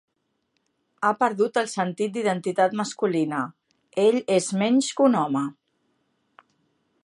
Ha perdut el sentit d'identitat masculina; ell és menys que un home.